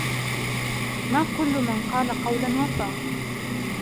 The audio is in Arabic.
ما كل من قال قولا وفى.